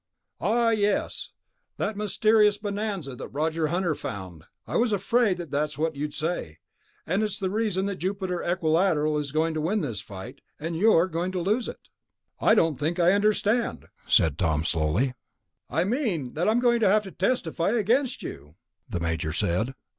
"Ah, yes, that mysterious bonanza that Roger Hunter found. I was afraid that was what you'd say. And it's the reason that Jupiter Equilateral is going to win this fight, and you're going to lose it." "I don't think I understand," Tom said slowly. "I mean that I'm going to have to testify against you," the Major said.